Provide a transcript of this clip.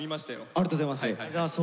ありがとうございます。